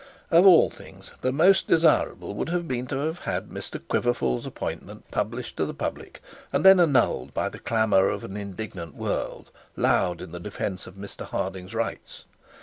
Of all things the most desirable would have been to have had Mr Quiverful's appointment published to the public, and then annulled by the clamour of an indignant world, loud in the defence of Mr Harding's rights.